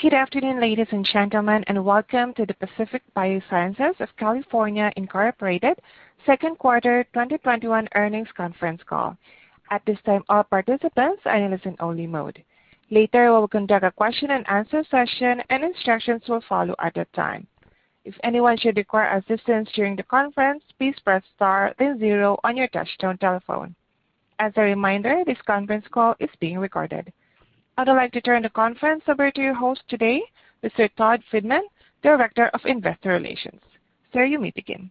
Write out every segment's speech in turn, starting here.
Good afternoon, ladies and gentlemen, and welcome to the Pacific Biosciences of California, Inc. Second Quarter 2021 Earnings Conference Call. At this time, all participants are in listen only mode. Later, we'll conduct a question and answer session, and instructions will follow at that time. If anyone should require assistance during the conference, please press star then zero on your touchtone telephone. As a reminder, this conference call is being recorded. I'd like to turn the conference over to your host today, Mr. Todd Friedman, Director of Investor Relations. Sir, you may begin.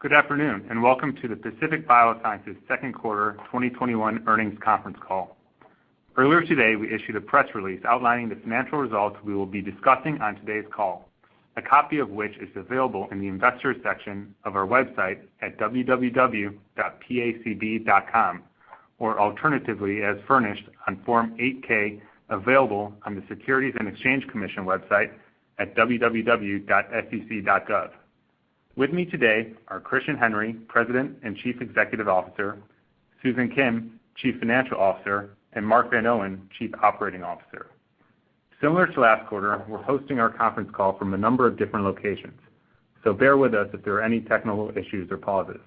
Good afternoon, welcome to the Pacific Biosciences Second Quarter 2021 earnings conference call. Earlier today, we issued a press release outlining the financial results we will be discussing on today's call, a copy of which is available in the Investors section of our website at www.pacb.com, or alternatively, as furnished on Form 8-K, available on the Securities and Exchange Commission website at www.sec.gov. With me today are Christian Henry, President and Chief Executive Officer, Susan Kim, Chief Financial Officer, and Mark Van Oene, Chief Operating Officer. Similar to last quarter, we're hosting our conference call from a number of different locations, so bear with us if there are any technical issues or pauses.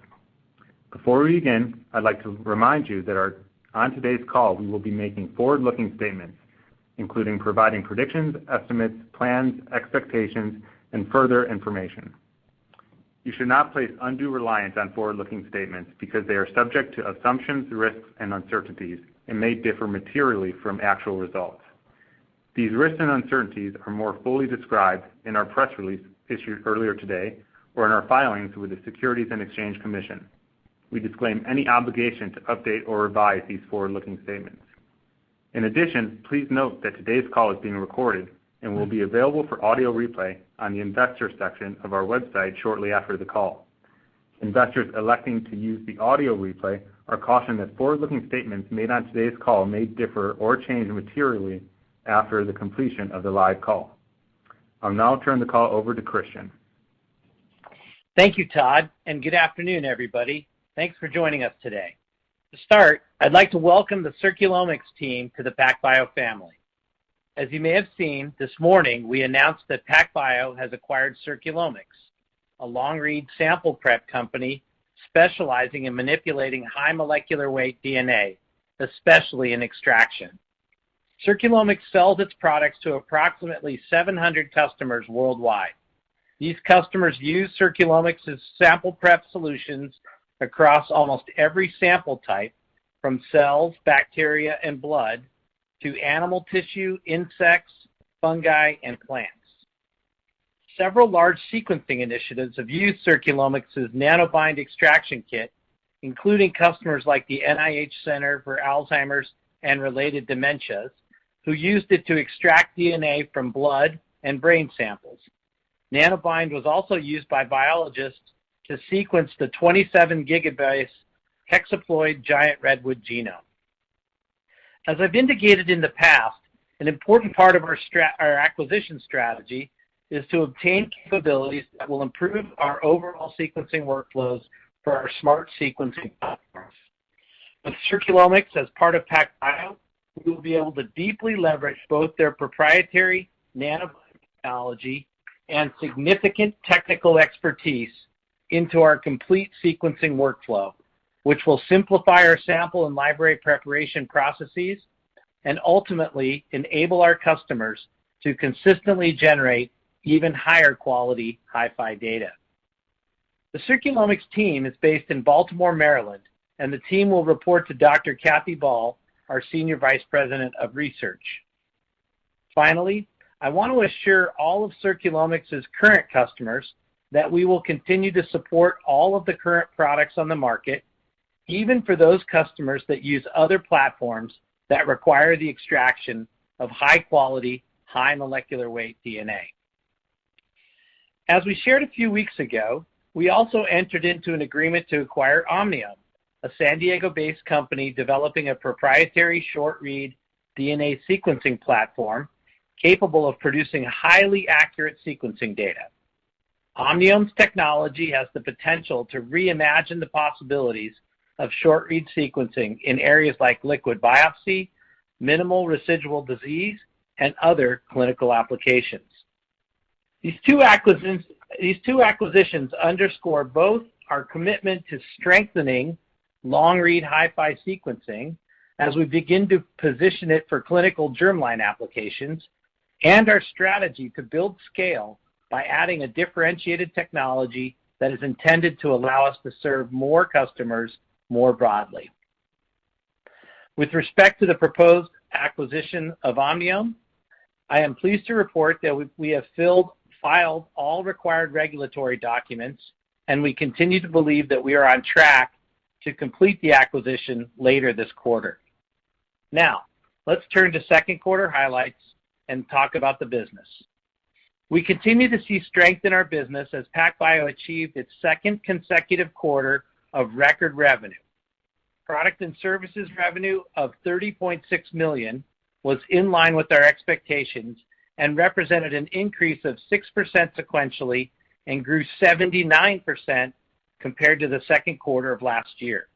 Before we begin, I'd like to remind you that on today's call, we will be making forward-looking statements, including providing predictions, estimates, plans, expectations, and further information. You should not place undue reliance on forward-looking statements because they are subject to assumptions, risks, and uncertainties, and may differ materially from actual results. These risks and uncertainties are more fully described in our press release issued earlier today or in our filings with the Securities and Exchange Commission. We disclaim any obligation to update or revise these forward-looking statements. In addition, please note that today's call is being recorded and will be available for audio replay on the Investors section of our website shortly after the call. Investors electing to use the audio replay are cautioned that forward-looking statements made on today's call may differ or change materially after the completion of the live call. I'll now turn the call over to Christian. Thank you, Todd. Good afternoon, everybody. Thanks for joining us today. To start, I'd like to welcome the Circulomics team to the PacBio family. As you may have seen, this morning we announced that PacBio has acquired Circulomics, a long-read sample prep company specializing in manipulating high molecular weight DNA, especially in extraction. Circulomics sells its products to approximately 700 customers worldwide. These customers use Circulomics' sample prep solutions across almost every sample type, from cells, bacteria, and blood to animal tissue, insects, fungi, and plants. Several large sequencing initiatives have used Circulomics' Nanobind extraction kit, including customers like the NIH Center for Alzheimer's and Related Dementias, who used it to extract DNA from blood and brain samples. Nanobind was also used by biologists to sequence the 27 gigabase hexaploid giant redwood genome. As I've indicated in the past, an important part of our acquisition strategy is to obtain capabilities that will improve our overall sequencing workflows for our SMRT sequencing platforms. With Circulomics as part of PacBio, we will be able to deeply leverage both their proprietary Nanobind technology and significant technical expertise into our complete sequencing workflow, which will simplify our sample and library preparation processes and ultimately enable our customers to consistently generate even higher quality HiFi data. The Circulomics team is based in Baltimore, Maryland, and the team will report to Dr. Cathy Ball, our Senior Vice President of Research. I want to assure all of Circulomics' current customers that we will continue to support all of the current products on the market, even for those customers that use other platforms that require the extraction of high-quality, high molecular weight DNA. As we shared a few weeks ago, we also entered into an agreement to acquire Omniome, a San Diego-based company developing a proprietary short-read DNA sequencing platform capable of producing highly accurate sequencing data. Omniome's technology has the potential to reimagine the possibilities of short-read sequencing in areas like liquid biopsy, minimal residual disease, and other clinical applications. These two acquisitions underscore both our commitment to strengthening long-read HiFi sequencing as we begin to position it for clinical germline applications and our strategy to build scale by adding a differentiated technology that is intended to allow us to serve more customers more broadly. With respect to the proposed acquisition of Omniome, I am pleased to report that we have filed all required regulatory documents, and we continue to believe that we are on track to complete the acquisition later this quarter. Let's turn to second quarter highlights and talk about the business. We continue to see strength in our business as PacBio achieved its second consecutive quarter of record revenue. Product and services revenue of $30.6 million was in line with our expectations and represented an increase of 6% sequentially, and grew 79% compared to the second quarter of last year.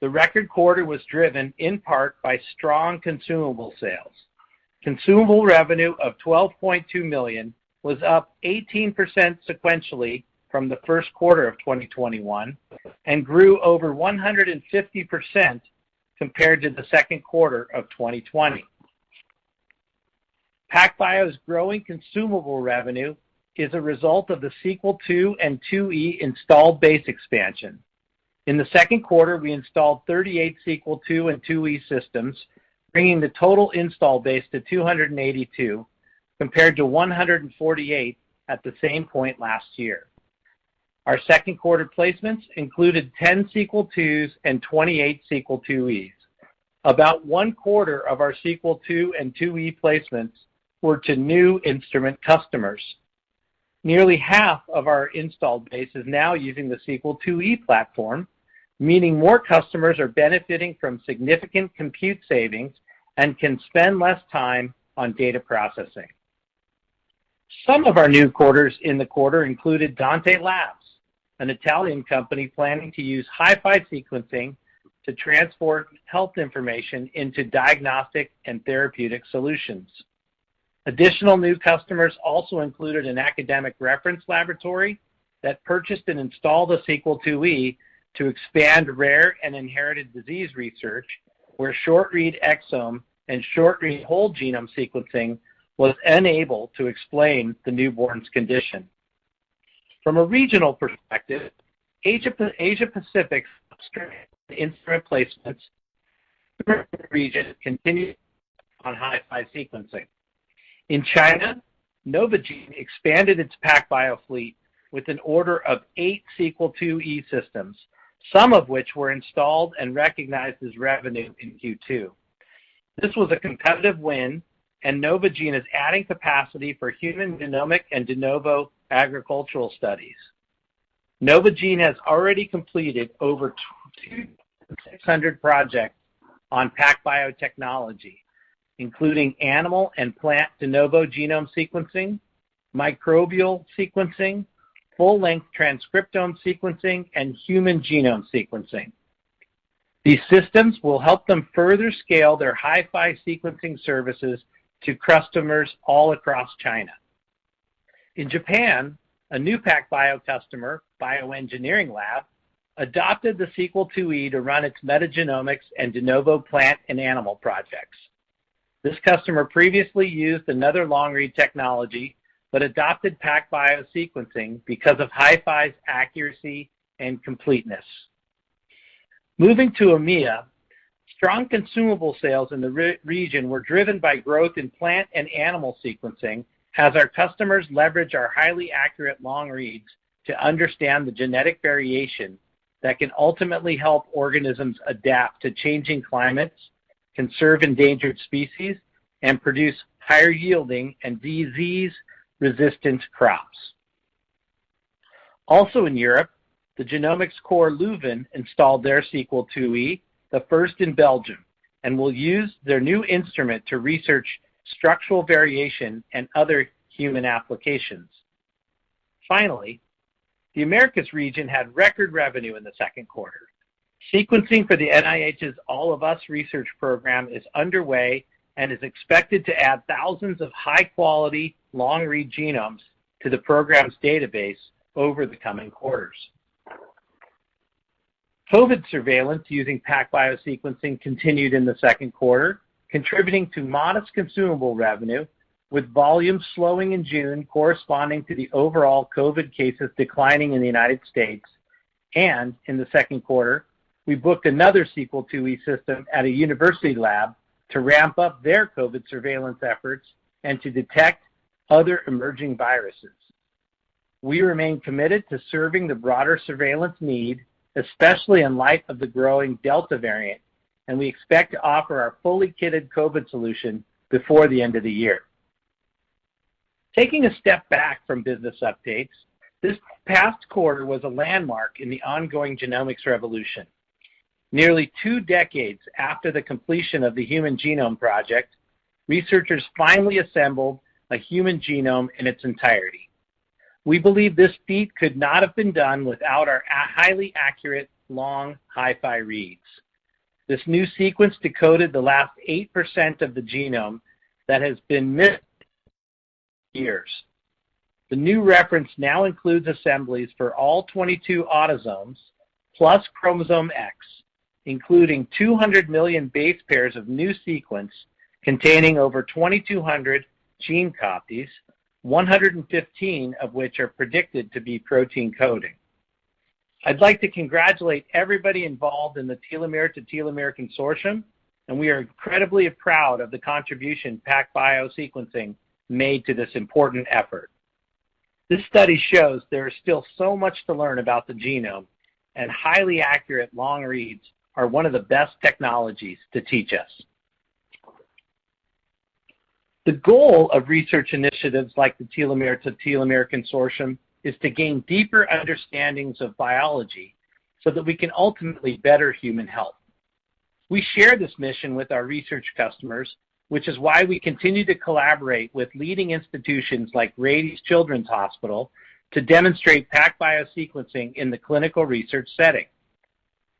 The record quarter was driven in part by strong consumable sales. Consumable revenue of $12.2 million was up 18% sequentially from the first quarter of 2021, and grew over 150% compared to the second quarter of 2020. PacBio's growing consumable revenue is a result of the Sequel II and IIe installed base expansion. In the second quarter, we installed 38 Sequel II and IIe systems, bringing the total install base to 282, compared to 148 at the same point last year. Our second quarter placements included 10 Sequel IIs and 28 Sequel IIe. About one quarter of our Sequel II and IIe placements were to new instrument customers. Nearly half of our installed base is now using the Sequel IIe platform, meaning more customers are benefiting from significant compute savings and can spend less time on data processing. Some of our new customers in the quarter included Dante Labs, an Italian company planning to use HiFi sequencing to transport health information into diagnostic and therapeutic solutions. Additional new customers also included an academic reference laboratory that purchased and installed a Sequel IIe to expand rare and inherited disease research, where short-read exome and short-read whole genome sequencing was unable to explain the newborn's condition. From a regional perspective, Asia Pacific's instrument placements region continued on HiFi sequencing. In China, Novogene expanded its PacBio fleet with an order of eight Sequel IIe systems, some of which were installed and recognized as revenue in Q2. This was a competitive win, and Novogene is adding capacity for human genomic and de novo agricultural studies. Novogene has already completed over [2,600] projects on PacBio technology, including animal and plant de novo genome sequencing, microbial sequencing, full length transcriptome sequencing, and human genome sequencing. These systems will help them further scale their HiFi sequencing services to customers all across China. In Japan, a new PacBio customer, Bioengineering Lab, adopted the Sequel IIe to run its metagenomics and de novo plant and animal projects. This customer previously used another long-read technology, but adopted PacBio sequencing because of HiFi's accuracy and completeness. Moving to EMEA, strong consumable sales in the region were driven by growth in plant and animal sequencing as our customers leverage our highly accurate long reads to understand the genetic variation that can ultimately help organisms adapt to changing climates, conserve endangered species, and produce higher yielding and disease-resistant crops. Also in Europe, the Genomics Core Leuven installed their Sequel IIe, the first in Belgium, and will use their new instrument to research structural variation and other human applications. Finally, the Americas region had record revenue in the second quarter. Sequencing for the NIH's All of Us research program is underway and is expected to add thousands of high-quality long-read genomes to the program's database over the coming quarters. COVID surveillance using PacBio sequencing continued in the second quarter, contributing to modest consumable revenue, with volume slowing in June corresponding to the overall COVID cases declining in the United States, and in the second quarter, we booked another Sequel IIe system at a university lab to ramp up their COVID surveillance efforts and to detect other emerging viruses. We remain committed to serving the broader surveillance need, especially in light of the growing Delta variant. We expect to offer our fully kitted COVID solution before the end of the year. Taking a step back from business updates, this past quarter was a landmark in the ongoing genomics revolution. Nearly two decades after the completion of the Human Genome Project, researchers finally assembled a human genome in its entirety. We believe this feat could not have been done without our highly accurate, long HiFi reads. This new sequence decoded the last 8% of the genome that has been years. The new reference now includes assemblies for all 22 autosomes plus chromosome X, including 200 million base pairs of new sequence containing over 2,200 gene copies, 115 of which are predicted to be protein coding. I'd like to congratulate everybody involved in the Telomere-to-Telomere Consortium, and we are incredibly proud of the contribution PacBio sequencing made to this important effort. This study shows there is still so much to learn about the genome, and highly accurate long reads are one of the best technologies to teach us. The goal of research initiatives like the Telomere-to-Telomere Consortium is to gain deeper understandings of biology so that we can ultimately better human health. We share this mission with our research customers, which is why we continue to collaborate with leading institutions like Rady Children's Hospital to demonstrate PacBio sequencing in the clinical research setting.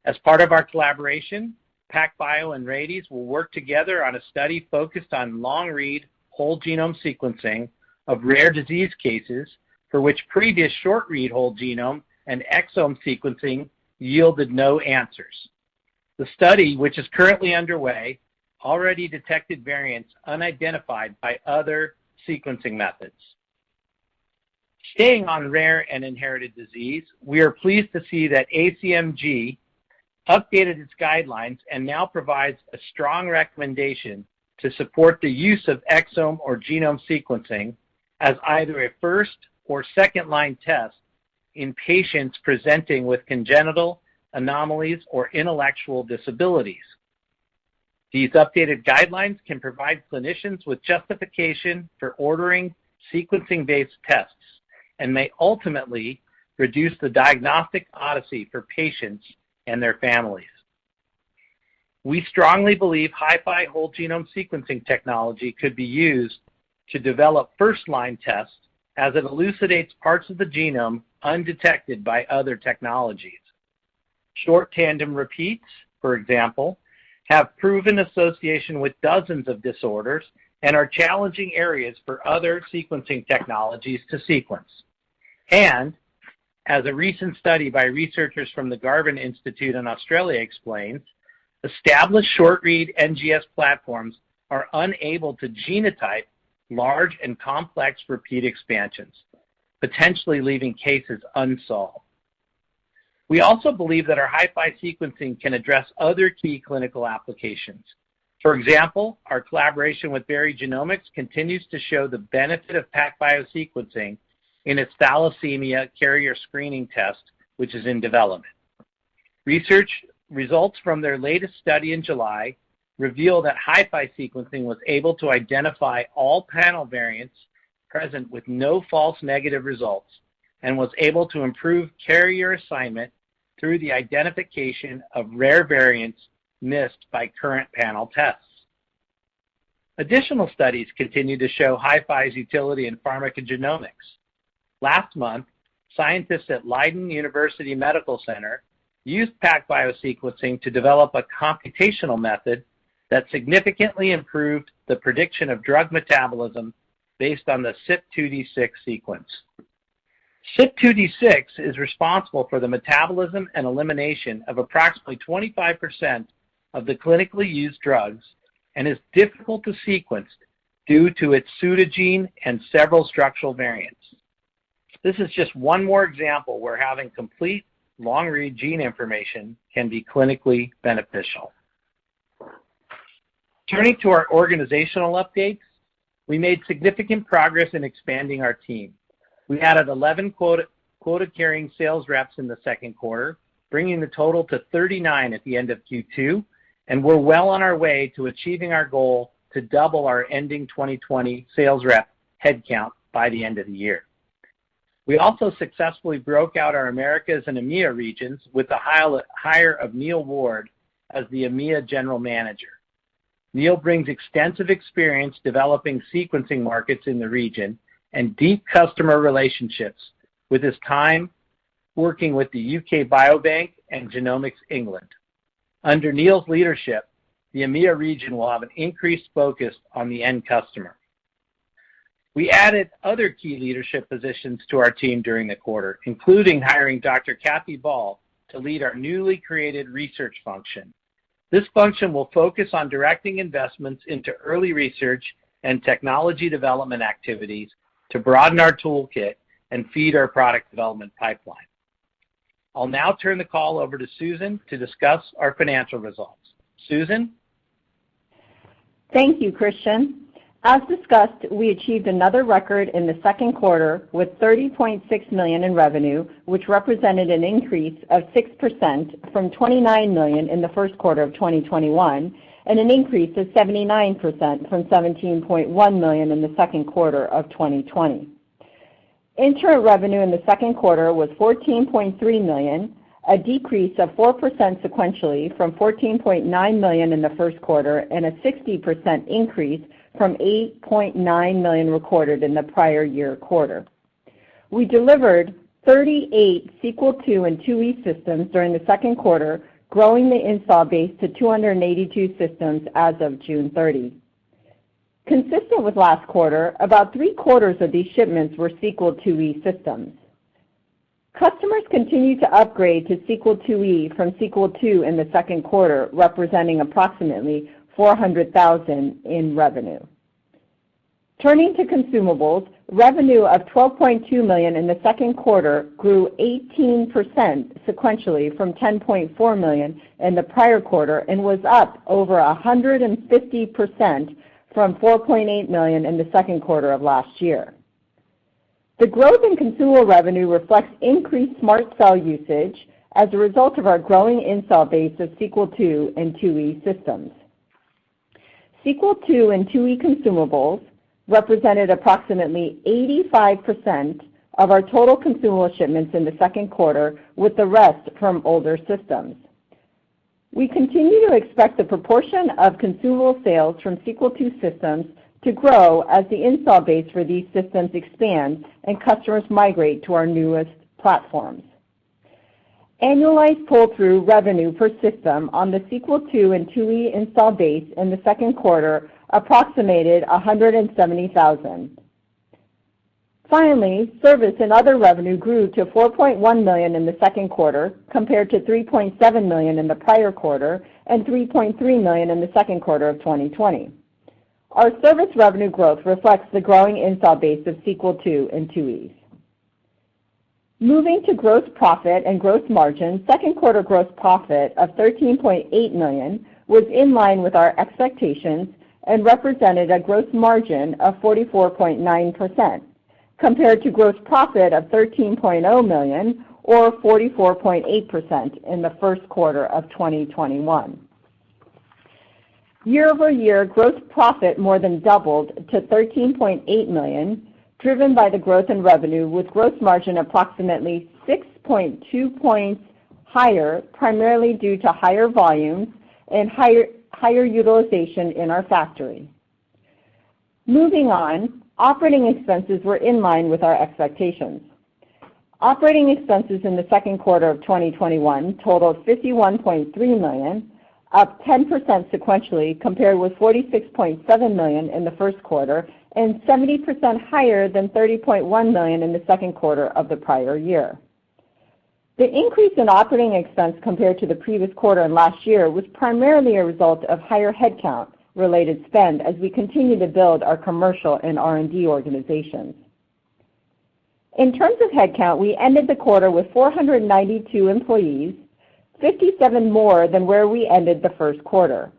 As part of our collaboration, PacBio and Rady's will work together on a study focused on long-read whole genome sequencing of rare disease cases for which previous short-read whole genome and exome sequencing yielded no answers. The study, which is currently underway, already detected variants unidentified by other sequencing methods. Staying on rare and inherited disease, we are pleased to see that ACMG updated its guidelines and now provides a strong recommendation to support the use of exome or genome sequencing as either a first or second line test in patients presenting with congenital anomalies or intellectual disabilities. These updated guidelines can provide clinicians with justification for ordering sequencing-based tests and may ultimately reduce the diagnostic odyssey for patients and their families. We strongly believe HiFi whole genome sequencing technology could be used to develop first-line tests as it elucidates parts of the genome undetected by other technologies. short tandem repeats, for example, have proven association with dozens of disorders and are challenging areas for other sequencing technologies to sequence. As a recent study by researchers from the Garvan Institute of Medical Research in Australia explained, established short-read NGS platforms are unable to genotype large and complex repeat expansions, potentially leaving cases unsolved. We also believe that our HiFi sequencing can address other key clinical applications. For example, our collaboration with Berry Genomics continues to show the benefit of PacBio sequencing in its thalassemia carrier screening test, which is in development. Research results from their latest study in July revealed that HiFi sequencing was able to identify all panel variants present with no false negative results and was able to improve carrier assignment through the identification of rare variants missed by current panel tests. Additional studies continue to show HiFi's utility in pharmacogenomics. Last month, scientists at Leiden University Medical Center used PacBio sequencing to develop a computational method that significantly improved the prediction of drug metabolism based on the CYP2D6 sequence. CYP2D6 is responsible for the metabolism and elimination of approximately 25% of the clinically used drugs and is difficult to sequence due to its pseudogene and several structural variants. This is just one more example where having complete long-read gene information can be clinically beneficial. Turning to our organizational updates, we made significant progress in expanding our team. We added 11 quota-carrying sales reps in the second quarter, bringing the total to 39 at the end of Q2, and we're well on our way to achieving our goal to double our ending 2020 sales rep headcount by the end of the year. We also successfully broke out our Americas and EMEA regions with the hire of Neil Ward as the EMEA General Manager. Neil brings extensive experience developing sequencing markets in the region and deep customer relationships with his time working with the UK Biobank and Genomics England. Under Neil's leadership, the EMEA region will have an increased focus on the end customer. We added other key leadership positions to our team during the quarter, including hiring Dr. Cathy Ball to lead our newly created research function. This function will focus on directing investments into early research and technology development activities to broaden our toolkit and feed our product development pipeline. I'll now turn the call over to Susan to discuss our financial results. Susan? Thank you, Christian. As discussed, we achieved another record in the second quarter with $30.6 million in revenue, which represented an increase of 6% from $29 million in the first quarter of 2021, and an increase of 79% from $17.1 million in the second quarter of 2020. [Instrument] revenue in the second quarter was $14.3 million, a decrease of 4% sequentially from $14.9 million in the first quarter and a 60% increase from $8.9 million recorded in the prior year quarter. We delivered 38 Sequel II and IIe systems during the second quarter, growing the install base to 282 systems as of June 30. Consistent with last quarter, about three-quarters of these shipments were Sequel IIe systems. Customers continued to upgrade to Sequel IIe from Sequel II in the second quarter, representing approximately $400,000 in revenue. Turning to consumables, revenue of $12.2 million in the second quarter grew 18% sequentially from $10.4 million in the prior quarter and was up over 150% from $4.8 million in the second quarter of last year. The growth in consumable revenue reflects increased SMRT Cell usage as a result of our growing install base of Sequel II and IIe systems. Sequel II and IIe consumables represented approximately 85% of our total consumable shipments in the second quarter, with the rest from older systems. We continue to expect the proportion of consumable sales from Sequel II systems to grow as the install base for these systems expands and customers migrate to our newest platforms. Annualized pull-through revenue per system on the Sequel II and IIe install base in the second quarter approximated $170,000. Finally, service and other revenue grew to $4.1 million in the second quarter, compared to $3.7 million in the prior quarter and $3.3 million in the second quarter of 2020. Our service revenue growth reflects the growing install base of Sequel II and IIe. Moving to gross profit and gross margin, second quarter gross profit of $13.8 million was in line with our expectations and represented a gross margin of 44.9%, compared to gross profit of $13.0 million, or 44.8%, in the first quarter of 2021. Year-over-year, gross profit more than doubled to $13.8 million, driven by the growth in revenue, with gross margin approximately 6.2 points higher, primarily due to higher volume and higher utilization in our factory. Moving on, operating expenses were in line with our expectations. Operating expenses in the second quarter of 2021 totaled $51.3 million, up 10% sequentially compared with $46.7 million in the first quarter, and 70% higher than $30.1 million in the second quarter of the prior year. The increase in operating expense compared to the previous quarter and last year was primarily a result of higher headcount-related spend as we continue to build our commercial and R&D organizations. In terms of headcount, we ended the quarter with 492 employees, 57 more than where we ended the first quarter.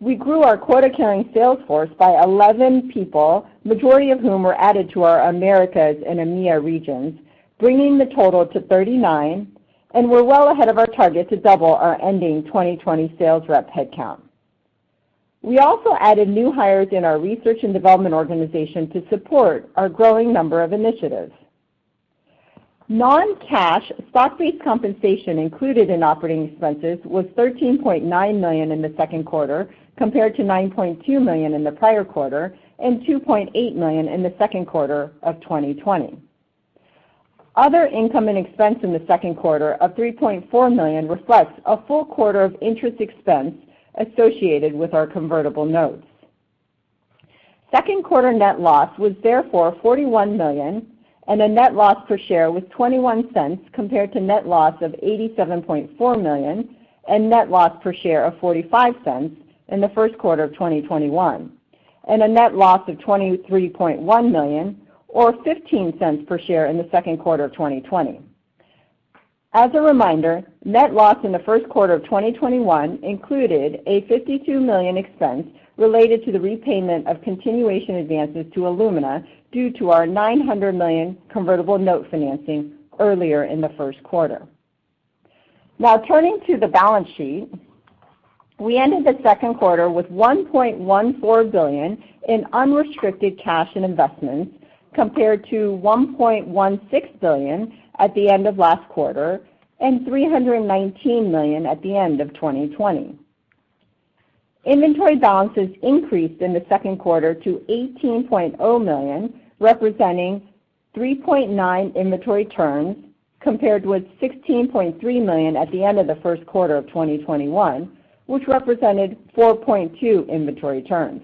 We grew our quota-carrying sales force by 11 people, majority of whom were added to our Americas and EMEA regions, bringing the total to 39, and we're well ahead of our target to double our ending 2020 sales rep headcount. We also added new hires in our research and development organization to support our growing number of initiatives. Non-cash stock-based compensation included in operating expenses was $13.9 million in the second quarter, compared to $9.2 million in the prior quarter and $2.8 million in the second quarter of 2020. Other income and expense in the second quarter of $3.4 million reflects a full quarter of interest expense associated with our convertible notes. Second quarter net loss was therefore $41 million and a net loss per share was $0.21, compared to net loss of $87.4 million and net loss per share of $0.45 in the first quarter of 2021, and a net loss of $23.1 million or $0.15 per share in the second quarter of 2020. As a reminder, net loss in the first quarter of 2021 included a $52 million expense related to the repayment of continuation advances to Illumina due to our $900 million convertible note financing earlier in the first quarter. Turning to the balance sheet. We ended the second quarter with $1.14 billion in unrestricted cash and investments, compared to $1.16 billion at the end of last quarter and $319 million at the end of 2020. Inventory balances increased in second quarter to $18.0 million, representing 3.9 inventory turns, compared with $16.3 million at the end of first quarter 2021, which represented 4.2 inventory turns.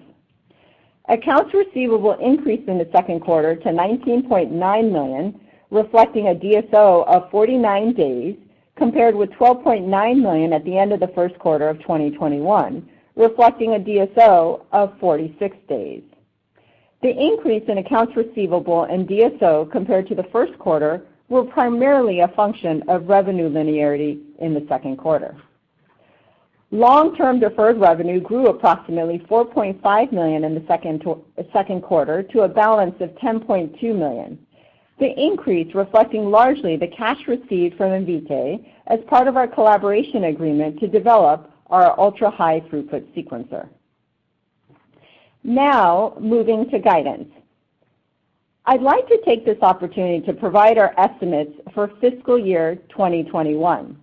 Accounts receivable increased in second quarter to $19.9 million, reflecting a DSO of 49 days, compared with $12.9 million at the end of first quarter 2021, reflecting a DSO of 46 days. The increase in accounts receivable and DSO compared to first quarter were primarily a function of revenue linearity in second quarter. Long-term deferred revenue grew approximately $4.5 million in second quarter to a balance of $10.2 million. The increase reflecting largely the cash received from Invitae as part of our collaboration agreement to develop our ultra-high throughput sequencer. Moving to guidance. I'd like to take this opportunity to provide our estimates for fiscal year 2021.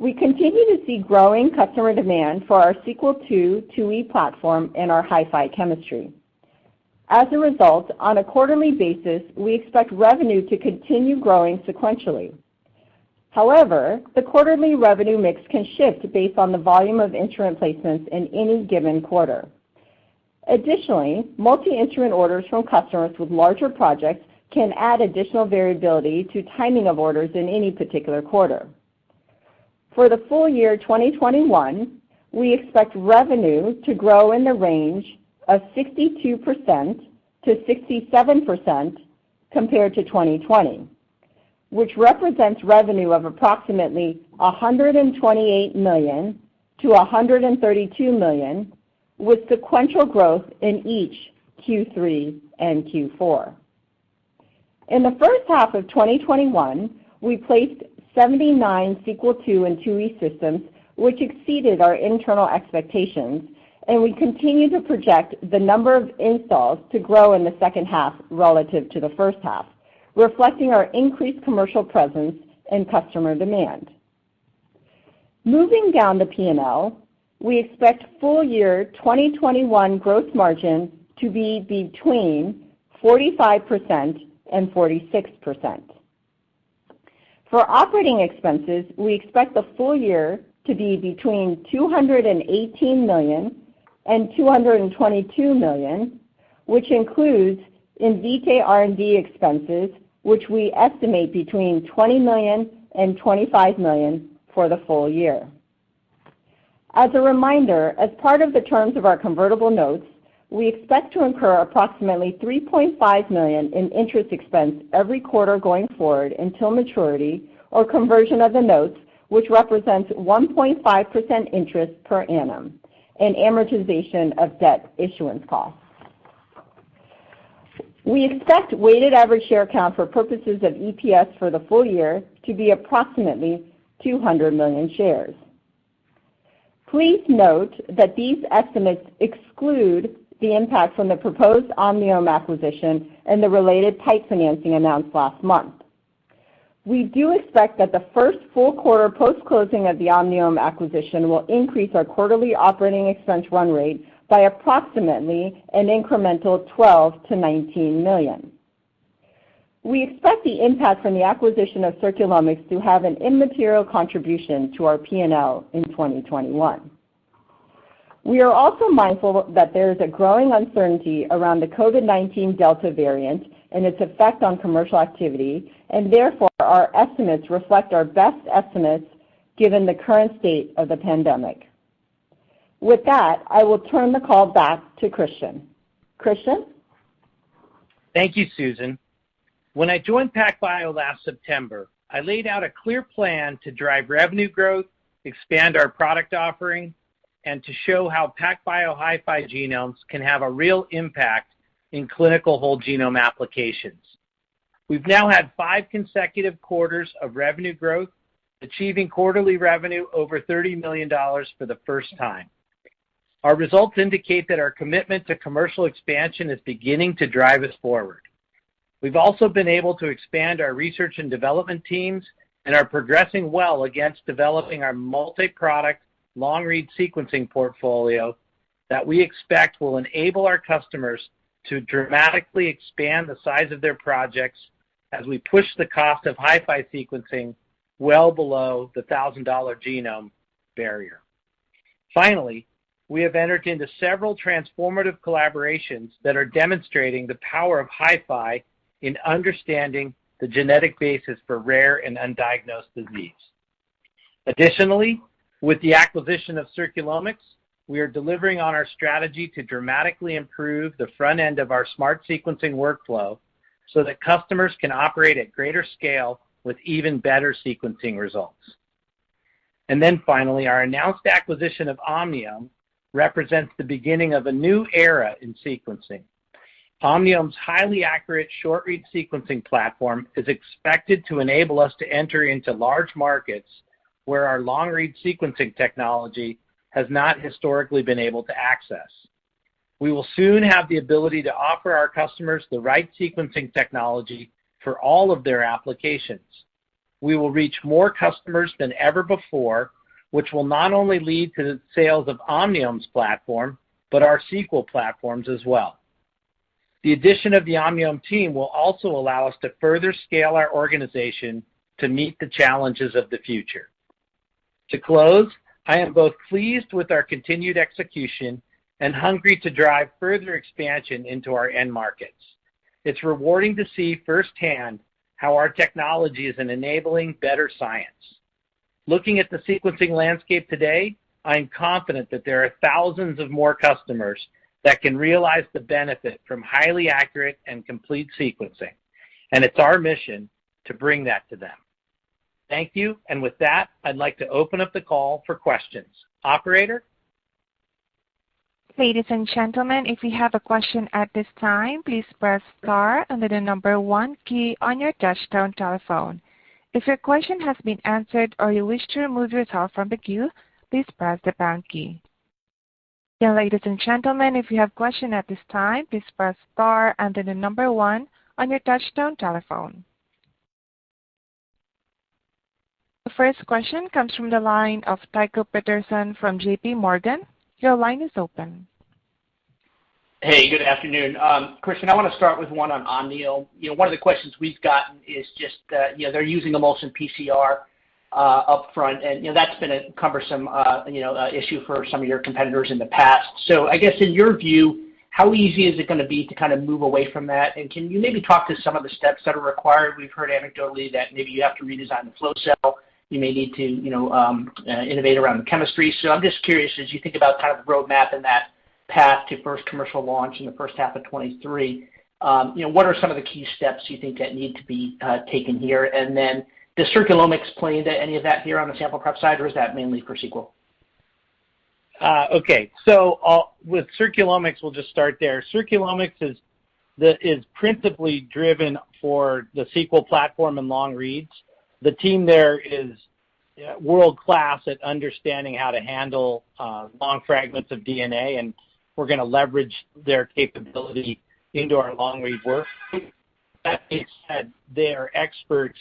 We continue to see growing customer demand for our Sequel II, IIe platform and our HiFi chemistry. On a quarterly basis, we expect revenue to continue growing sequentially. The quarterly revenue mix can shift based on the volume of instrument placements in any given quarter. Multi-instrument orders from customers with larger projects can add additional variability to timing of orders in any particular quarter. For the full year 2021, we expect revenue to grow in the range of 62%-67% compared to 2020, which represents revenue of approximately $128 million-$132 million, with sequential growth in each Q3 and Q4. In the first half of 2021, we placed 79 Sequel II and IIe systems, which exceeded our internal expectations, and we continue to project the number of installs to grow in the second half relative to the first half, reflecting our increased commercial presence and customer demand. Moving down the P&L, we expect full year 2021 gross margin to be between 45% and 46%. For operating expenses, we expect the full year to be between $218 million and $222 million, which includes Invitae R&D expenses, which we estimate between $20 million and $25 million for the full year. As a reminder, as part of the terms of our convertible notes, we expect to incur approximately $3.5 million in interest expense every quarter going forward until maturity or conversion of the notes, which represents 1.5% interest per annum and amortization of debt issuance costs. We expect weighted average share count for purposes of EPS for the full year to be approximately 200 million shares. Please note that these estimates exclude the impact from the proposed Omniome acquisition and the related pipe financing announced last month. We do expect that the first full quarter post-closing of the Omniome acquisition will increase our quarterly operating expense run rate by approximately an incremental $12 million-$19 million. We expect the impact from the acquisition of Circulomics to have an immaterial contribution to our P&L in 2021. We are also mindful that there is a growing uncertainty around the COVID-19 Delta variant and its effect on commercial activity, and therefore, our estimates reflect our best estimates given the current state of the pandemic. With that, I will turn the call back to Christian. Christian? Thank you, Susan. When I joined PacBio last September, I laid out a clear plan to drive revenue growth, expand our product offering, and to show how PacBio HiFi genomes can have a real impact in clinical whole genome applications. We've now had five consecutive quarters of revenue growth, achieving quarterly revenue over $30 million for the first time. Our results indicate that our commitment to commercial expansion is beginning to drive us forward. We've also been able to expand our research and development teams and are progressing well against developing our multi-product, long-read sequencing portfolio that we expect will enable our customers to dramatically expand the size of their projects as we push the cost of HiFi sequencing well below the $1,000 genome barrier. Finally, we have entered into several transformative collaborations that are demonstrating the power of HiFi in understanding the genetic basis for rare and undiagnosed disease. Additionally, with the acquisition of Circulomics, we are delivering on our strategy to dramatically improve the front end of our SMRT sequencing workflow so that customers can operate at greater scale with even better sequencing results. Finally, our announced acquisition of Omniome represents the beginning of a new era in sequencing. Omniome's highly accurate short-read sequencing platform is expected to enable us to enter into large markets where our long-read sequencing technology has not historically been able to access. We will soon have the ability to offer our customers the right sequencing technology for all of their applications. We will reach more customers than ever before, which will not only lead to the sales of Omniome's platform, but our Sequel platforms as well. The addition of the Omniome team will also allow us to further scale our organization to meet the challenges of the future. To close, I am both pleased with our continued execution and hungry to drive further expansion into our end markets. It's rewarding to see firsthand how our technology is enabling better science. Looking at the sequencing landscape today, I am confident that there are thousands of more customers that can realize the benefit from highly accurate and complete sequencing, and it's our mission to bring that to them. Thank you. With that, I'd like to open up the call for questions. Operator? Ladies and gentlemen, if you have a question at this time, please press star and then the number one key on your touch tone telephone. If your question has been answered or you wish to remove yourself from the queue, please press the pound key. Ladies and gentlemen, if you have question at this time, please press star and then the number one key on your touch tone telephone. The first question comes from the line of Tycho Peterson from JPMorgan. Your line is open. Hey, good afternoon. Christian, I want to start with one on Omniome. One of the questions we've gotten is just that they're using emulsion PCR upfront, and that's been a cumbersome issue for some of your competitors in the past. I guess in your view, how easy is it going to be to move away from that? Can you maybe talk to some of the steps that are required? We've heard anecdotally that maybe you have to redesign the flow cell, you may need to innovate around the chemistry. I'm just curious, as you think about the roadmap and that path to first commercial launch in the first half of 2023, what are some of the key steps you think that need to be taken here? Then does Circulomics play into any of that here on the sample prep side, or is that mainly for Sequel? Okay. With Circulomics, we'll just start there. Circulomics is principally driven for the Sequel platform and long reads. The team there is world-class at understanding how to handle long fragments of DNA, and we're going to leverage their capability into our long read work. That being said, they are experts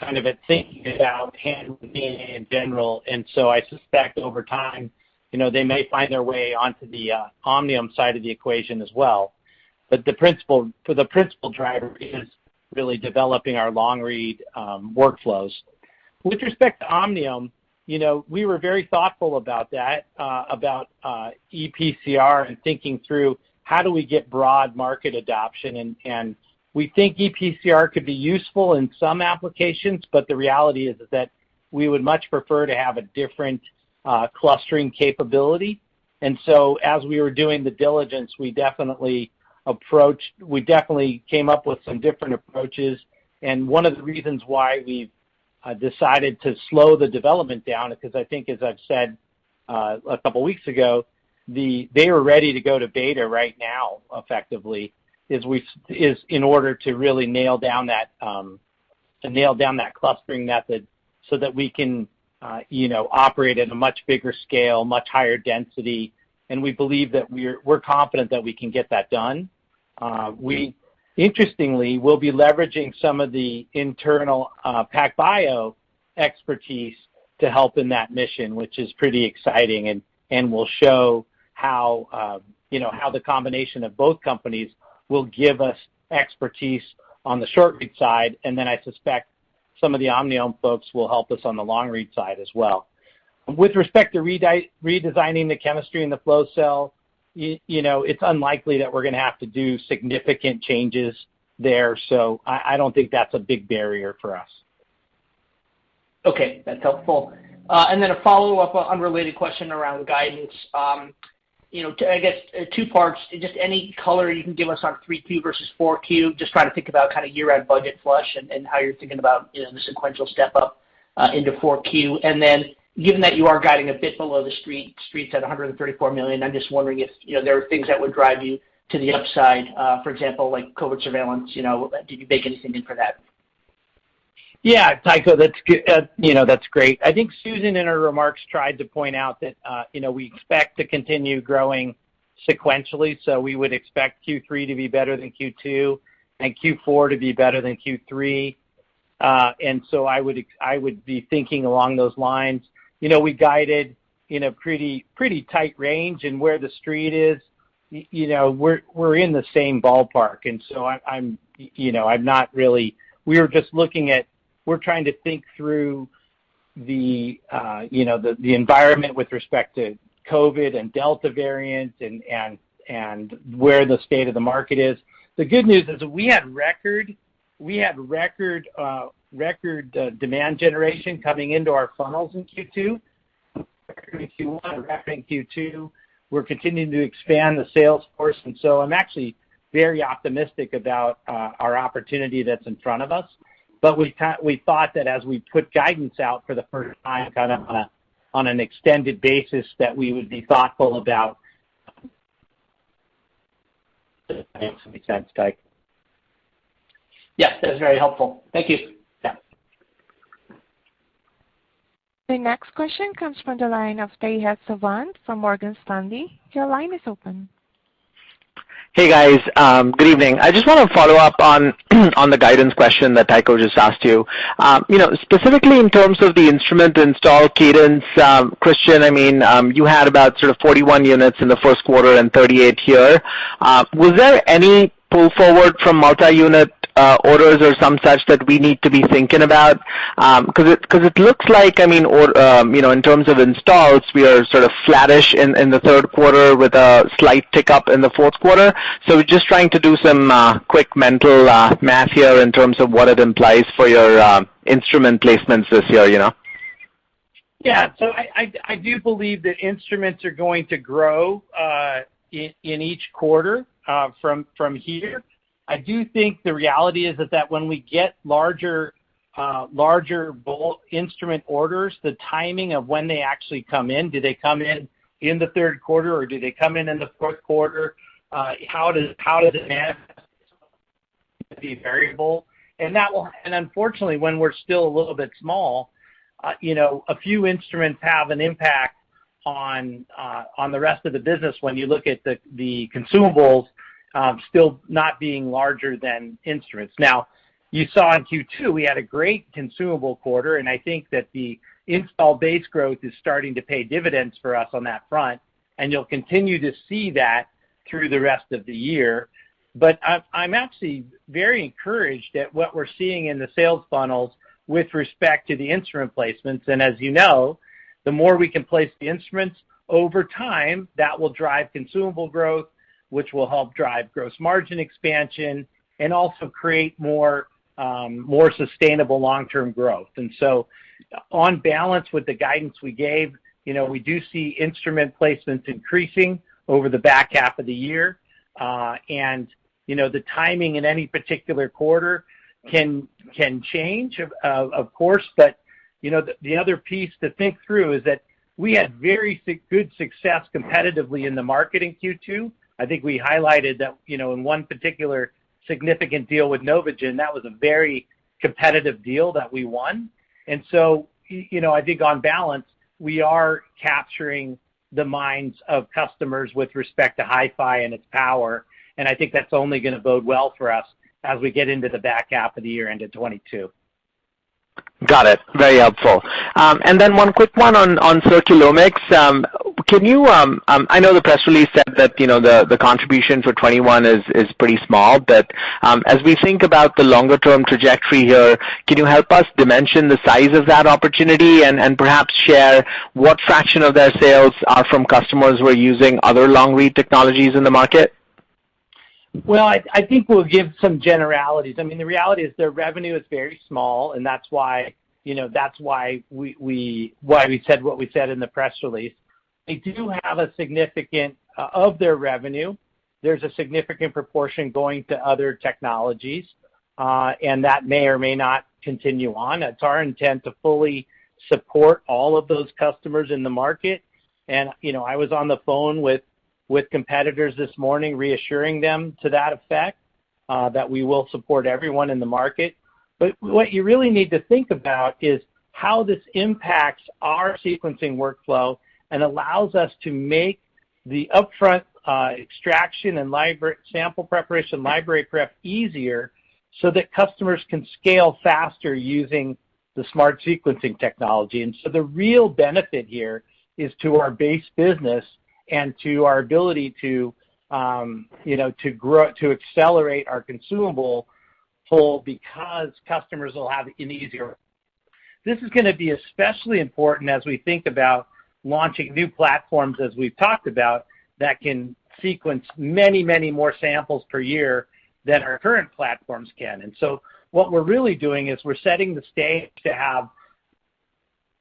kind of at thinking about handling DNA in general, and so I suspect over time, they may find their way onto the Omniome side of the equation as well. For the principal driver is really developing our long-read workflows. With respect to Omniom, we were very thoughtful about that, about ePCR and thinking through how do we get broad market adoption, and we think ePCR could be useful in some applications, but the reality is that we would much prefer to have a different clustering capability. As we were doing the diligence, we definitely came up with some different approaches. One of the reasons why we've decided to slow the development down, because I think as I've said a couple of weeks ago, they are ready to go to beta right now effectively, is in order to really nail down that clustering method so that we can operate at a much bigger scale, much higher density. We're confident that we can get that done. Interestingly, we'll be leveraging some of the internal PacBio expertise to help in that mission, which is pretty exciting and will show how the combination of both companies will give us expertise on the short-read side. Then I suspect some of the Omniome folks will help us on the long-read side as well. With respect to redesigning the chemistry and the flow cell, it's unlikely that we're going to have to do significant changes there. I don't think that's a big barrier for us. Okay, that's helpful. A follow-up, unrelated question around guidance. I guess two parts, just any color you can give us on 3Q versus 4Q, just trying to think about kind of year-end budget flush and how you're thinking about the sequential step up into 4Q. Given that you are guiding a bit below the Street's at $134 million, I'm just wondering if there are things that would drive you to the upside, for example, like COVID surveillance. Did you bake anything in for that? Yeah, Tycho, that's great. I think Susan, in her remarks, tried to point out that we expect to continue growing sequentially, so we would expect Q3 to be better than Q2 and Q4 to be better than Q3. I would be thinking along those lines. We guided in a pretty tight range in where the Street is. We're in the same ballpark, we're trying to think through the environment with respect to COVID and Delta variant and where the state of the market is. The good news is we had record demand generation coming into our funnels in Q2, Q1, wrapping Q2. We're continuing to expand the sales force, I'm actually very optimistic about our opportunity that's in front of us. We thought that as we put guidance out for the first time, kind of on an extended basis, that we would be thoughtful about. Does that make sense, Tycho? Yes, that is very helpful. Thank you. Yeah. The next question comes from the line of Tejas Savant from Morgan Stanley. Your line is open. Hey, guys. Good evening. I just want to follow up on the guidance question that Tycho Peterson just asked you. Specifically in terms of the Instrument install cadence, Christian, you had about sort of 41 units in the first quarter and 38 here. Was there any pull forward from multi-unit orders or some such that we need to be thinking about? Because it looks like, in terms of installs, we are sort of flattish in the third quarter with a slight tick up in the fourth quarter. Just trying to do some quick mental math here in terms of what it implies for your Instrument placements this year. Yeah. I do believe that instruments are going to grow in each quarter from here. I do think the reality is that when we get larger bulk instrument orders, the timing of when they actually come in, do they come in in the third quarter, or do they come in in the fourth quarter? How does it manifest be variable, and unfortunately, when we're still a little bit small, a few instruments have an impact on the rest of the business when you look at the consumables still not being larger than instruments. You saw in Q2, we had a great consumable quarter, and I think that the install base growth is starting to pay dividends for us on that front, and you'll continue to see that through the rest of the year. I'm actually very encouraged at what we're seeing in the sales funnels with respect to the instrument placements, and as you know, the more we can place the instruments over time, that will drive consumable growth, which will help drive gross margin expansion and also create more sustainable long-term growth. On balance with the guidance we gave, we do see instrument placements increasing over the back half of the year. The timing in any particular quarter can change, of course. The other piece to think through is that we had very good success competitively in the market in Q2. I think we highlighted that in one particular significant deal with Novogene, that was a very competitive deal that we won. I think on balance, we are capturing the minds of customers with respect to HiFi and its power, and I think that's only going to bode well for us as we get into the back half of the year into 2022. Got it. Very helpful. One quick one on Circulomics. I know the press release said that the contribution for 2021 is pretty small, but as we think about the longer-term trajectory here, can you help us dimension the size of that opportunity and perhaps share what fraction of their sales are from customers who are using other long-read technologies in the market? Well, I think we'll give some generalities. I mean, the reality is their revenue is very small and that's why we said what we said in the press release. Of their revenue, there's a significant proportion going to other technologies, and that may or may not continue on. It's our intent to fully support all of those customers in the market. I was on the phone with competitors this morning reassuring them to that effect, that we will support everyone in the market. What you really need to think about is how this impacts our sequencing workflow and allows us to make the upfront extraction and sample preparation library prep easier so that customers can scale faster using the SMRT sequencing technology. The real benefit here is to our base business and to our ability to accelerate our consumable pull because customers will have it easier. This is going to be especially important as we think about launching new platforms, as we've talked about, that can sequence many, many more samples per year than our current platforms can. What we're really doing is we're setting the stage to have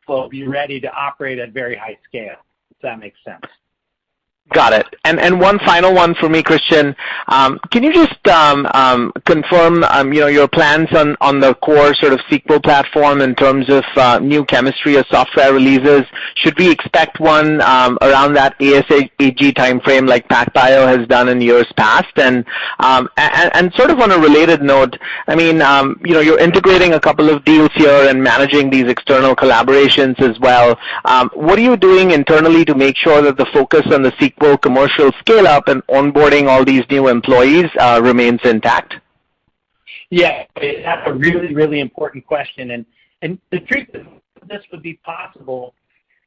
flow be ready to operate at very high scale, if that makes sense. Got it. One final one for me, Christian. Can you just confirm your plans on the core Sequel platform in terms of new chemistry or software releases? Should we expect one around that ASHG timeframe like PacBio has done in years past? Sort of on a related note, you're integrating a couple of deals here and managing these external collaborations as well. What are you doing internally to make sure that the focus on the Sequel commercial scale-up and onboarding all these new employees remains intact? Yeah, that's a really, really important question. The truth is, this would be possible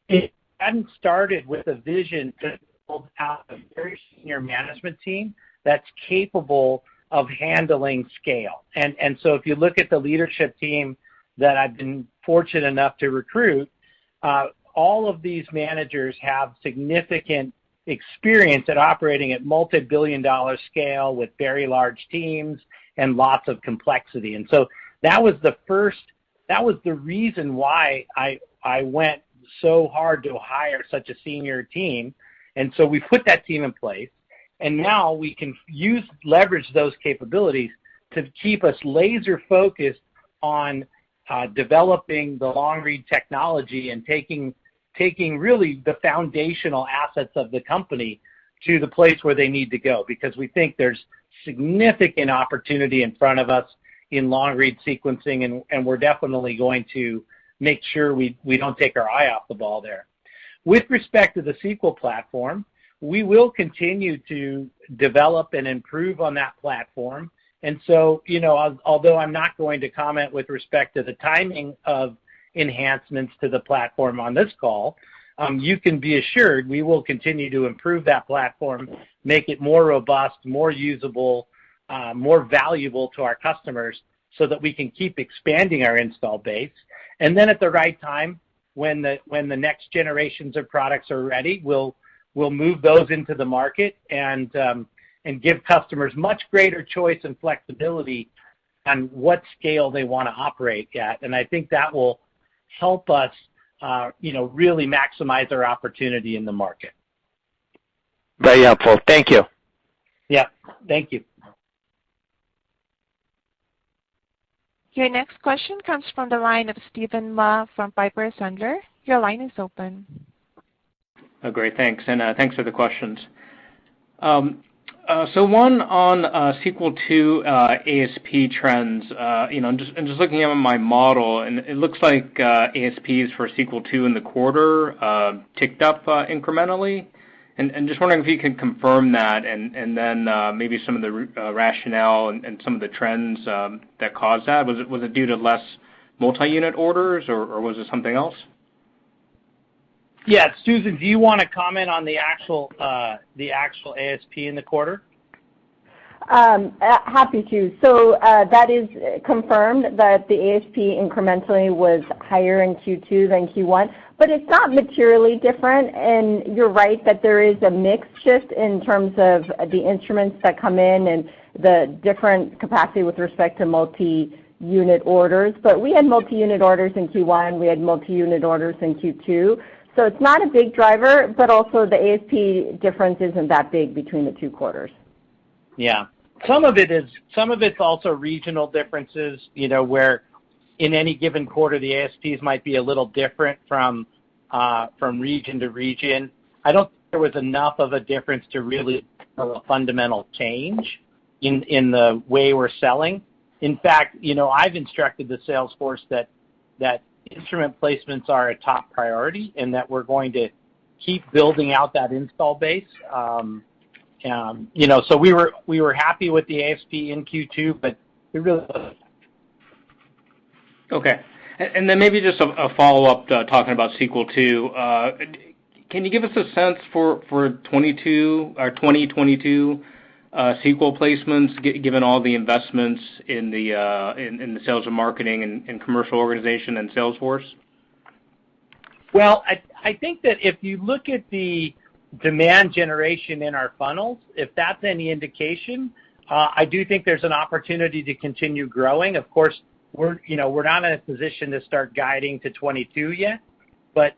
if we hadn't started with a vision that builds out a very senior management team that's capable of handling scale. If you look at the leadership team that I've been fortunate enough to recruit, all of these managers have significant experience at operating at multi-billion dollar scale with very large teams and lots of complexity. That was the reason why I went so hard to hire such a senior team. We put that team in place, and now we can leverage those capabilities to keep us laser-focused on developing the long-read technology and taking really the foundational assets of the company to the place where they need to go. Because we think there's significant opportunity in front of us in long-read sequencing, and we're definitely going to make sure we don't take our eye off the ball there. With respect to the Sequel platform, we will continue to develop and improve on that platform. Although I'm not going to comment with respect to the timing of enhancements to the platform on this call, you can be assured we will continue to improve that platform, make it more robust, more usable, more valuable to our customers so that we can keep expanding our install base. At the right time, when the next generations of products are ready, we'll move those into the market and give customers much greater choice and flexibility on what scale they want to operate at. I think that will help us really maximize our opportunity in the market. Very helpful. Thank you. Yeah. Thank you. Your next question comes from the line of Steven Mah from Piper Sandler. Your line is open. Great, thanks, and thanks for the questions. One on Sequel II ASP trends. Just looking at my model, and it looks like ASPs for Sequel II in the quarter ticked up incrementally, and just wondering if you can confirm that and then maybe some of the rationale and some of the trends that caused that. Was it due to less multi-unit orders, or was it something else? Yeah. Susan, do you want to comment on the actual ASP in the quarter? Happy to. That is confirmed that the ASP incrementally was higher in Q2 than Q1, but it's not materially different. You're right that there is a mix shift in terms of the instruments that come in and the different capacity with respect to multi-unit orders. We had multi-unit orders in Q1, we had multi-unit orders in Q2, so it's not a big driver, but also the ASP difference isn't that big between the two quarters. Some of it's also regional differences, where in any given quarter, the ASPs might be a little different from region to region. I don't think there was enough of a difference to really tell a fundamental change in the way we're selling. In fact, I've instructed the sales force that instrument placements are a top priority, and that we're going to keep building out that install base. We were happy with the ASP in Q2, but it really Okay. Maybe just a follow-up, talking about Sequel II. Can you give us a sense for 2022 Sequel placements, given all the investments in the sales and marketing and commercial organization and sales force? Well, I think that if you look at the demand generation in our funnels, if that's any indication, I do think there's an opportunity to continue growing. Of course, we're not in a position to start guiding to 2022 yet, but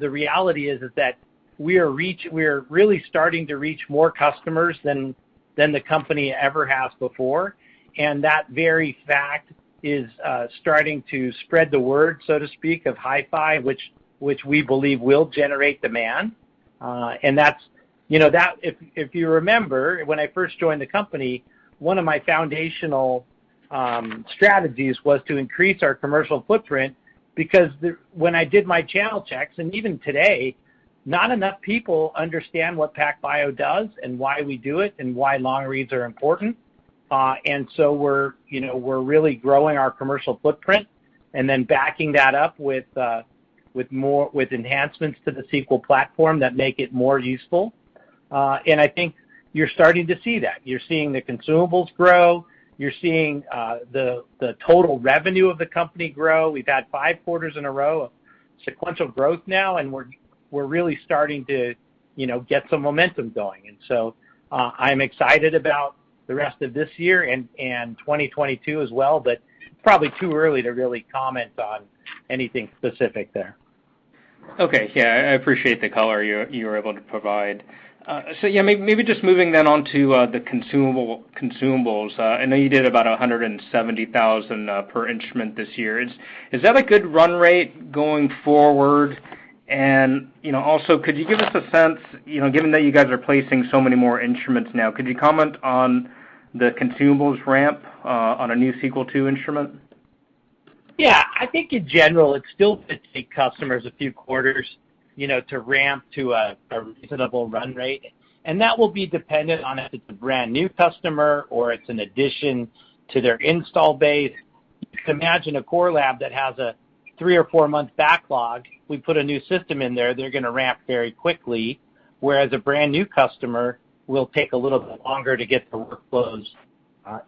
the reality is that we're really starting to reach more customers than the company ever has before. That very fact is starting to spread the word, so to speak, of HiFi, which we believe will generate demand. If you remember, when I first joined the company, one of my foundational strategies was to increase our commercial footprint, because when I did my channel checks, and even today, not enough people understand what PacBio does and why we do it and why long reads are important. We're really growing our commercial footprint and then backing that up with enhancements to the Sequel platform that make it more useful. I think you're starting to see that. You're seeing the consumables grow. You're seeing the total revenue of the company grow. We've had five quarters in a row of sequential growth now, and we're really starting to get some momentum going. I'm excited about the rest of this year and 2022 as well, but it's probably too early to really comment on anything specific there. Okay. Yeah, I appreciate the color you were able to provide. Yeah, maybe just moving onto the consumables. I know you did about $170,000 per instrument this year. Is that a good run rate going forward? Could you give us a sense, given that you guys are placing so many more instruments now, could you comment on the consumables ramp on a new Sequel II instrument? Yeah. I think in general, it's still going to take customers a few quarters to ramp to a reasonable run rate, and that will be dependent on if it's a brand-new customer or it's an addition to their install base. If you imagine a core lab that has a three or four-month backlog, we put a new system in there, they're going to ramp very quickly, whereas a brand-new customer will take a little bit longer to get the workflows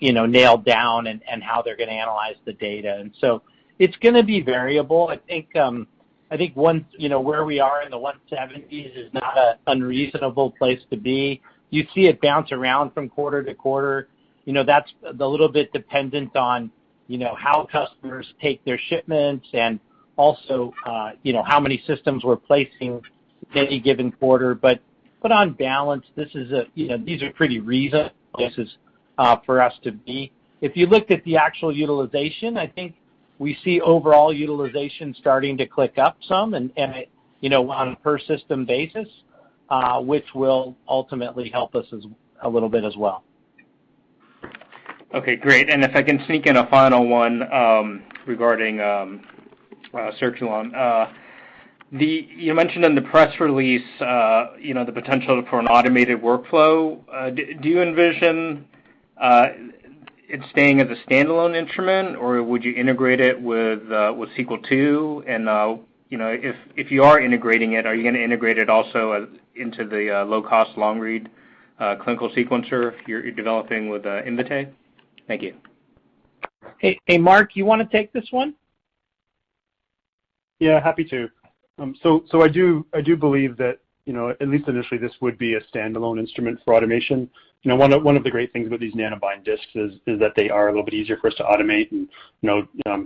nailed down and how they're going to analyze the data. It's going to be variable. I think where we are in the 170s is not an unreasonable place to be. You see it bounce around from quarter to quarter. That's a little bit dependent on how customers take their shipments and also how many systems we're placing in any given quarter. On balance, these are pretty reasonable places for us to be. If you looked at the actual utilization, I think we see overall utilization starting to click up some on a per-system basis, which will ultimately help us a little bit as well. Okay, great. If I can sneak in a final one regarding Circulomics. You mentioned in the press release the potential for an automated workflow. Do you envision it staying as a standalone instrument, or would you integrate it with Sequel II? If you are integrating it, are you going to integrate it also into the low-cost long-read clinical sequencer you're developing with Invitae? Thank you. Hey, Mark, you want to take this one? Yeah, happy to. I do believe that at least initially, this would be a standalone instrument for automation. One of the great things about these Nanobind disks is that they are a little bit easier for us to automate, and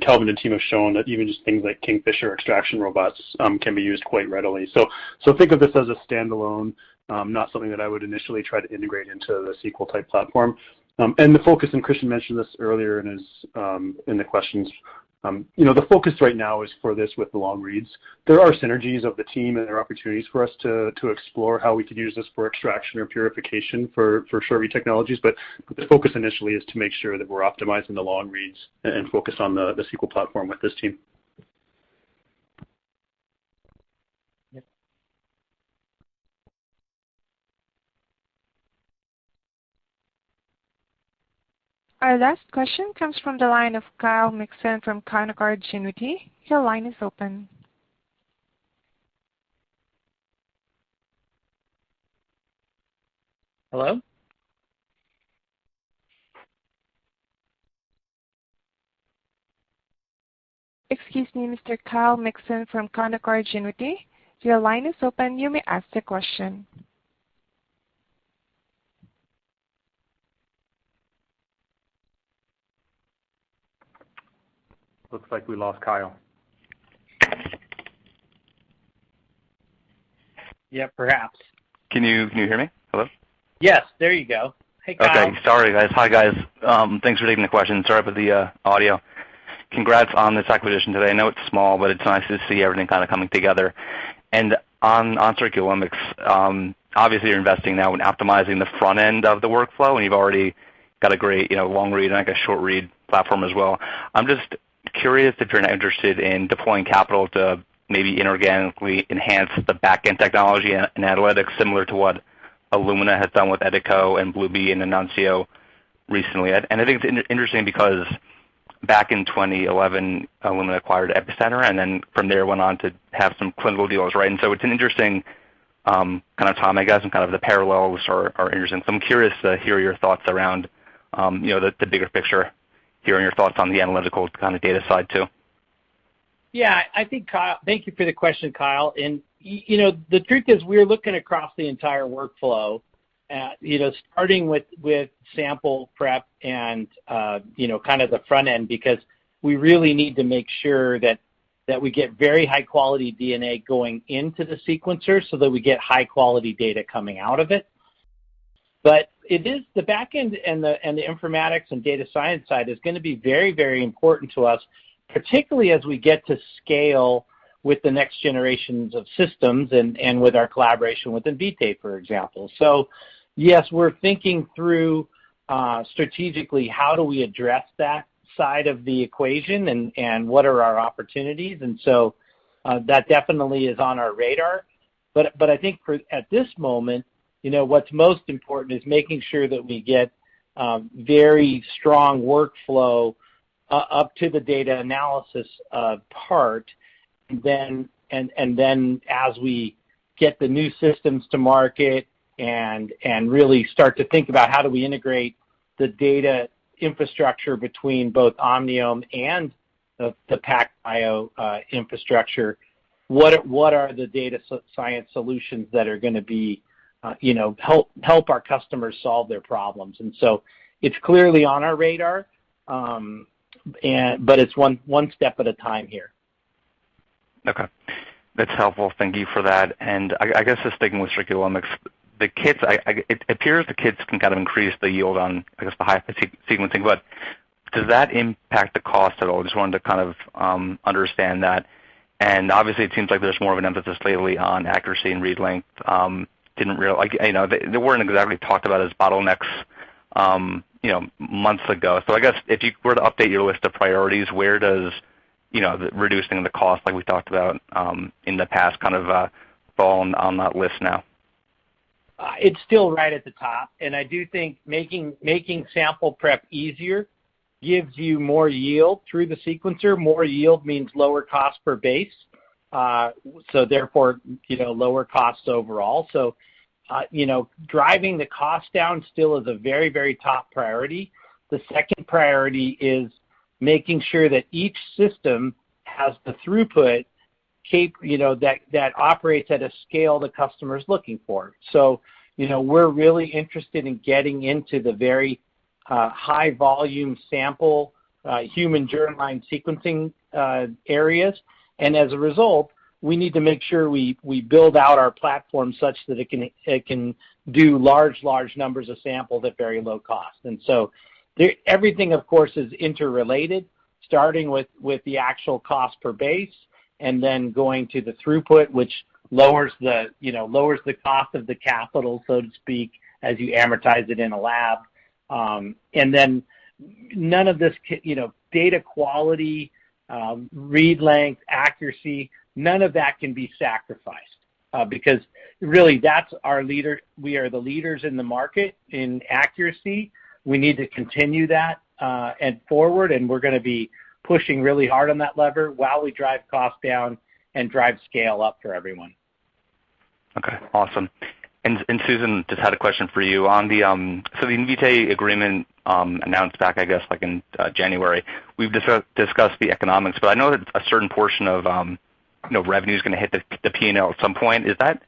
Kelvin and team have shown that even just things like KingFisher extraction robots can be used quite readily. Think of this as a standalone, not something that I would initially try to integrate into the Sequel-type platform. Christian mentioned this earlier in the questions, the focus right now is for this with the long reads. There are synergies of the team, and there are opportunities for us to explore how we could use this for extraction or purification for short-read technologies, but the focus initially is to make sure that we're optimizing the long reads and focus on the Sequel platform with this team. Yeah. Our last question comes from the line of Kyle Mikson from Canaccord Genuity. Your line is open. Hello? Excuse me, Mr. Kyle Mikson from Canaccord Genuity, your line is open. You may ask your question. Looks like we lost Kyle. Yeah, perhaps. Can you hear me? Hello? Yes, there you go. Hey, Kyle. Okay. Sorry, guys. Hi, guys. Thanks for taking the question. Sorry for the audio. Congrats on this acquisition today. I know it's small, but it's nice to see everything kind of coming together. On Circulomics, obviously, you're investing now in optimizing the front end of the workflow, and you've already got a great long-read and a short-read platform as well. I'm just curious if you're interested in deploying capital to maybe inorganically enhance the back end technology and analytics similar to what Illumina has done with Edico and BlueBee, and Enancio recently. I think it's interesting because back in 2011, Illumina acquired Epicentre, and then from there went on to have some clinical deals. It's an interesting kind of time, I guess, and kind of the parallels are interesting. I'm curious to hear your thoughts around the bigger picture, hearing your thoughts on the analytical kind of data side, too. Yeah. Thank you for the question, Kyle. The truth is we're looking across the entire workflow, starting with sample prep and kind of the front end because we really need to make sure that we get very high-quality DNA going into the sequencer so that we get high-quality data coming out of it. The back end and the informatics and data science side is going to be very, very important to us, particularly as we get to scale with the next generations of systems and with our collaboration with Invitae, for example. Yes, we're thinking through strategically how do we address that side of the equation and what are our opportunities. That definitely is on our radar. I think at this moment, what's most important is making sure that we get very strong workflow up to the data analysis part. As we get the new systems to market and really start to think about how do we integrate the data infrastructure between both Omniome and the PacBio infrastructure, what are the data science solutions that are going to help our customers solve their problems? It's clearly on our radar, but it's one step at a time here. Okay. That's helpful. Thank you for that. I guess just sticking with Circulomics, it appears the kits can kind of increase the yield on, I guess, the HiFi sequencing, but does that impact the cost at all? Just wanted to kind of understand that. Obviously it seems like there's more of an emphasis lately on accuracy and read length. They weren't exactly talked about as bottlenecks months ago. I guess if you were to update your list of priorities, where does the reducing of the cost, like we've talked about in the past, kind of fall on that list now? It's still right at the top, and I do think making sample prep easier gives you more yield through the sequencer. More yield means lower cost per base, so therefore lower cost overall. Driving the cost down still is a very top priority. The second priority is making sure that each system has the throughput that operates at a scale the customer's looking for. We're really interested in getting into the very high-volume sample human germline sequencing areas. As a result, we need to make sure we build out our platform such that it can do large numbers of samples at very low cost. Everything, of course, is interrelated, starting with the actual cost per base and then going to the throughput, which lowers the cost of the capital, so to speak, as you amortize it in a lab. Data quality, read length, accuracy, none of that can be sacrificed because really we are the leaders in the market in accuracy. We need to continue that forward, and we're going to be pushing really hard on that lever while we drive cost down and drive scale up for everyone. Okay, awesome. Susan just had a question for you. The Invitae agreement announced back, I guess, like in January. We've discussed the economics, but I know that a certain portion of revenue is going to hit the P&L at some point. Is that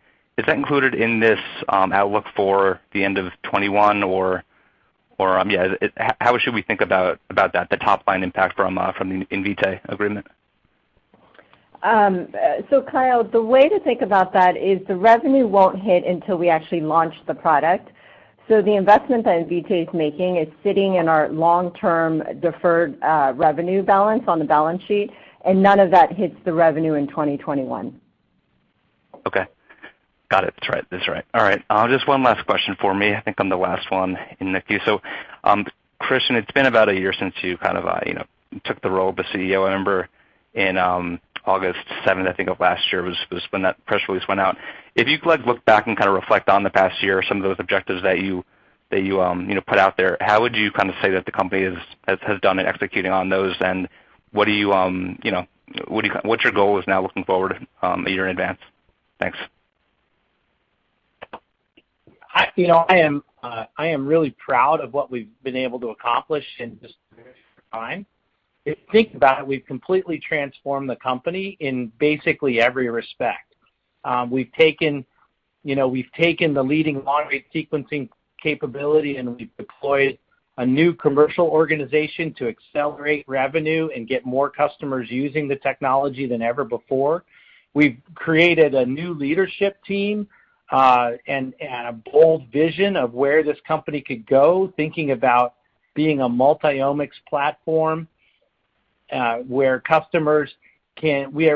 included in this outlook for the end of 2021, or how should we think about that, the top-line impact from the Invitae agreement? Kyle, the way to think about that is the revenue won't hit until we actually launch the product. The investment that Invitae is making is sitting in our long-term deferred revenue balance on the balance sheet, and none of that hits the revenue in 2021. Okay. Got it. That's right. All right. Just one last question for me. I think I'm the last one in the queue. Christian, it's been about a year since you kind of took the role of the CEO. I remember in August 7th, I think, of last year was when that press release went out. If you could look back and kind of reflect on the past year, some of those objectives that you put out there, how would you kind of say that the company has done in executing on those, and what your goal is now looking forward a year in advance? Thanks. I am really proud of what we've been able to accomplish in this time. If you think about it, we've completely transformed the company in basically every respect. We've taken the leading long-read sequencing capability, and we've deployed a new commercial organization to accelerate revenue and get more customers using the technology than ever before. We've created a new leadership team, and a bold vision of where this company could go, thinking about being a multi-omics platform, where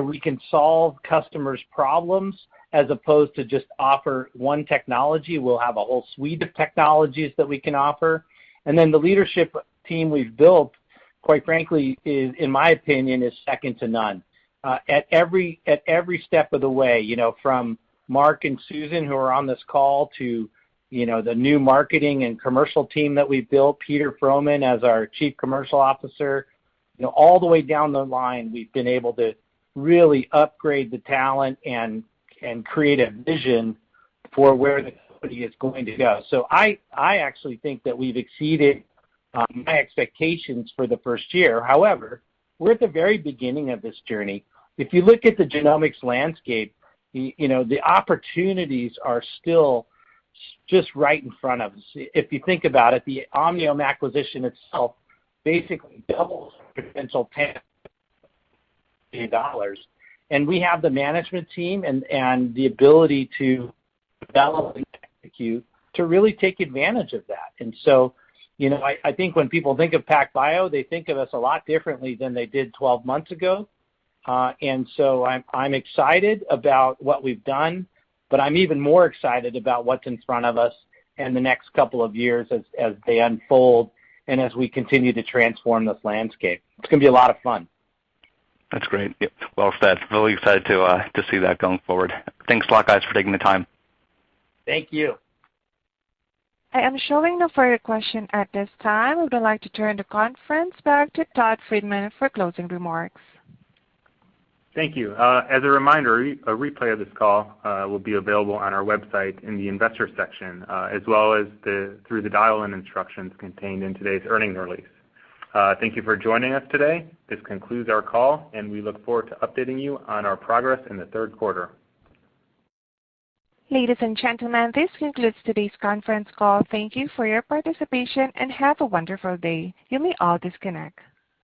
we can solve customers' problems as opposed to just offer one technology. We'll have a whole suite of technologies that we can offer. The leadership team we've built, quite frankly, in my opinion, is second to none. At every step of the way, from Mark and Susan, who are on this call, to the new marketing and commercial team that we've built, Peter Fromen as our Chief Commercial Officer, all the way down the line, we've been able to really upgrade the talent and create a vision for where the company is going to go. I actually think that we've exceeded my expectations for the first year. However, we're at the very beginning of this journey. If you look at the genomics landscape, the opportunities are still just right in front of us. If you think about it, the Omniome acquisition itself basically doubles our potential dollars, and we have the management team and the ability to develop and execute to really take advantage of that. I think when people think of PacBio, they think of us a lot differently than they did 12 months ago. I'm excited about what we've done, but I'm even more excited about what's in front of us in the next couple of years as they unfold and as we continue to transform this landscape. It's going to be a lot of fun. That's great. Yep, well said. Really excited to see that going forward. Thanks a lot, guys, for taking the time. Thank you. I am showing no further question at this time. We would like to turn the conference back to Todd Friedman for closing remarks. Thank you. As a reminder, a replay of this call will be available on our website in the Investors section, as well as through the dial-in instructions contained in today's earnings release. Thank you for joining us today. This concludes our call, and we look forward to updating you on our progress in the third quarter. Ladies and gentlemen, this concludes today's conference call. Thank you for your participation, and have a wonderful day. You may all disconnect.